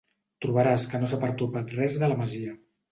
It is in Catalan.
Trobaràs que no s'ha pertorbat res de la masia.